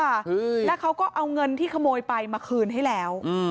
ใช่แล้วเขาก็เอาเงินที่ขโมยไปมาคืนให้แล้วอืม